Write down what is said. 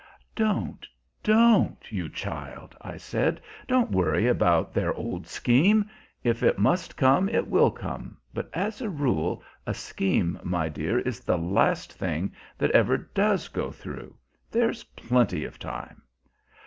"Don't, don't, you child!" I said. "Don't worry about their old scheme! If it must come it will come; but as a rule, a scheme, my dear, is the last thing that ever does go through. There's plenty of time."